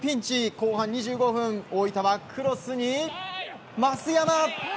後半２５分大分はクロスに増山。